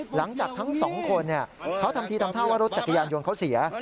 หลังจากทั้งสองคนเขาทำทีทำท่าว่ารถจักรยานยนต์เขาเสีย